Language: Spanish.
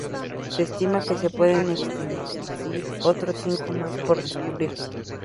Se estima que pueden existir otros cinco más por descubrir.